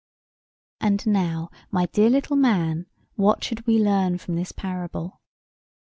And now, my dear little man, what should we learn from this parable?